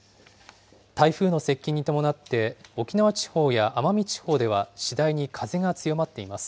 台風の接近に伴って、沖縄地方や奄美地方では次第に風が強まっています。